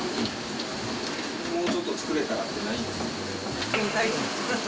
もうちょっと作れたらってないんですか？